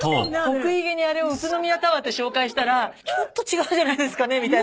得意げにあれを宇都宮タワーって紹介したらちょっと違うんじゃないですかねみたいな。